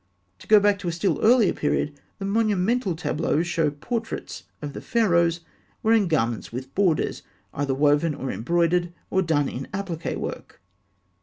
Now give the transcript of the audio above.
To go back to a still earlier period, the monumental tableaux show portraits of the Pharaohs wearing garments with borders, either woven or embroidered, or done in appliqué work.